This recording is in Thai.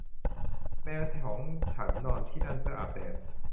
แมวของฉันนอนที่นั่น เพื่ออาบแดด